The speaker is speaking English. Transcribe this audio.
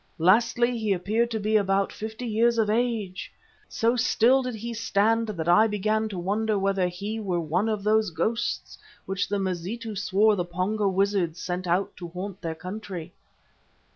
Lastly, he appeared to be about fifty years of age. So still did he stand that I began to wonder whether he were one of those ghosts which the Mazitu swore the Pongo wizards send out to haunt their country.